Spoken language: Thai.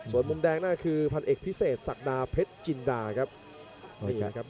ส่วนมุมแดงนั่นคือพันเอกพิเศษศักดาเพชรจินดาครับ